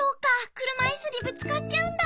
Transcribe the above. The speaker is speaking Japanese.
くるまいすにぶつかっちゃうんだ。